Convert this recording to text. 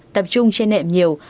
tập trung trên nệm nhiều